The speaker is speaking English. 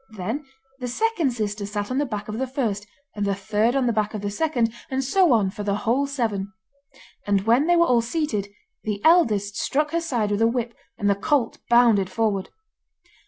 Then the second sister sat on the back of the first, and the third on the back of the second, and so on for the whole seven. And when they were all seated, the eldest struck her side with a whip and the colt bounded forward.